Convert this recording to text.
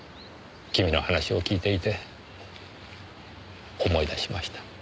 君の話を聞いていて思い出しました。